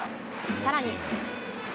さらに。